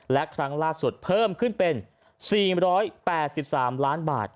และครั้งล่าสุดเพิ่มขึ้นเป็น๔๘๓ล้านบาท